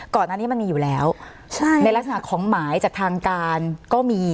ก่อนอันนี้มันมีอยู่แล้วใช่ในลักษณะของหมายจากทางการก็มี